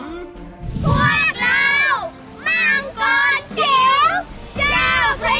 พวกเรามังกรจิ๋วเจ้าพญา